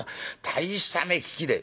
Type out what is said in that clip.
大した目利きで」。